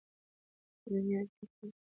په دنيا کې خو